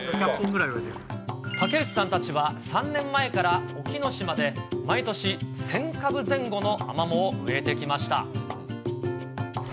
竹内さんたちは、３年前から沖ノ島で毎年１０００株前後のアマモを植えてきました。